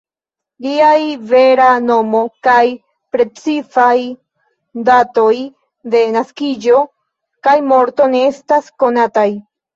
Liaj vera nomo kaj precizaj datoj de naskiĝo kaj morto ne estas konataj.